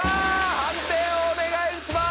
判定をお願いしまーす